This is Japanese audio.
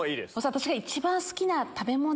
私が一番好きな食べ物。